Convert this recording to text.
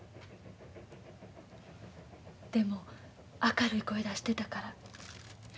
でも明るい声出してたから。